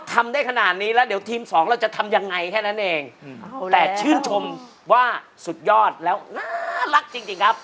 ทำได้ขนาดนี้แล้วเดี๋ยวทีมสองเราจะทำยังไงแค่นั้นเองแต่ชื่นชมว่าสุดยอดแล้วน่ารักจริงครับ